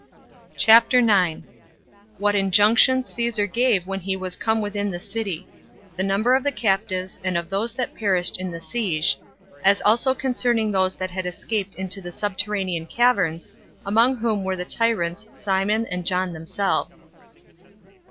CHAPTER 9. What Injunctions Caesar Gave When He Was Come Within The City. The Number Of The Captives And Of Those That Perished In The Siege; As Also Concerning Those That Had Escaped Into The Subterranean Caverns, Among Whom Were The Tyrants Simon And John Themselves.